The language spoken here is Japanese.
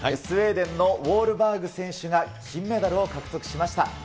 スウェーデンのウォールバーグ選手が金メダルを獲得しました。